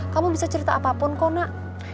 kamu bisa cerita apapun kok nak